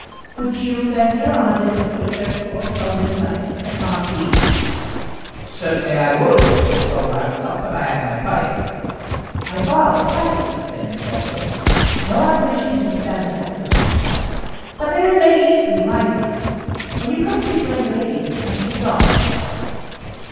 "Would you venture on a visit to a church porch on this night St. Mark's eve?" "Certainly I would, if well wrapped up, and I had my pipe." "I bar the pipe," said Miss Fulton. "No apparition can stand tobacco smoke. But there is Lady Eastleigh rising. When you come to rejoin the ladies, I shall be gone."